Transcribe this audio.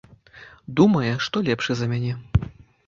Думае, што лепшы за мяне.